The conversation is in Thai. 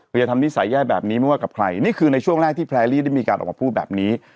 อย่าทำนิสัยแย่แบบนี้ไม่ว่ากับใครนี่คือในช่วงแรกที่แพรรี่ได้มีการออกมาพูดแบบนี้